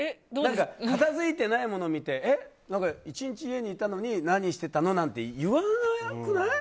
片付いてないもの見て一日、家にいて何してたの？なんて言わなくない？